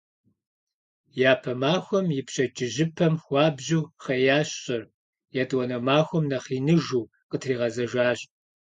Япэ махуэм и пщэдджыжьыпэм хуабжьу хъеящ щӀыр, етӀуанэ махуэм нэхъ иныжу къытригъэзэжэщ.